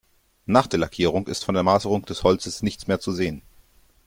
Nach der Lackierung ist von der Maserung des Holzes nichts mehr zu sehen.